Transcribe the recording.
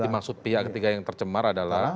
dimaksud pihak ketiga yang tercemar adalah